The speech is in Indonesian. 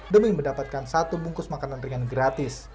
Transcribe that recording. demi mendapatkan satu bungkus makanan ringan gratis